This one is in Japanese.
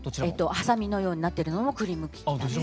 はさみのようになってるのも栗むき器なんです。